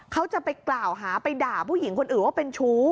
เขาจะไปกล่าวหาไปด่าผู้หญิงคนอื่นว่าเป็นชู้